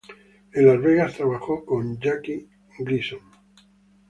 En Las Vegas trabajó con Jackie Gleason.